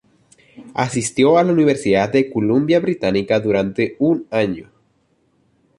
Asistió a la Universidad de la Columbia Británica durante un año.